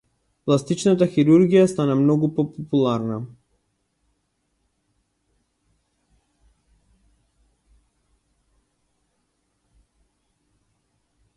Пластичната хирургија стана попопуларна.